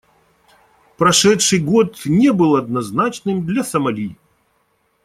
Прошедший год не был однозначным для Сомали.